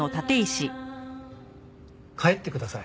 帰ってください。